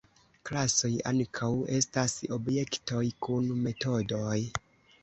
Klasoj ankaŭ estas objektoj kun metodoj.